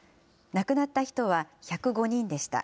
亡くなった人は１０５人でした。